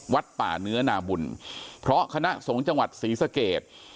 วัดป่าเนื้อนาบุญเพราะคณะสงฆ์จังหวัดศรีสเกต